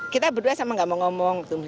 kita berdua sama gak mau ngomong